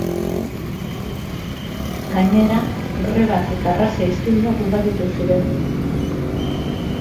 Gainera, grebak eta arraza-istiluak ugaritu ziren.